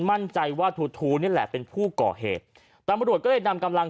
มั่นใจว่าทูทูนี่แหละเป็นผู้ก่อเหตุตำรวจก็เลยนำกำลัง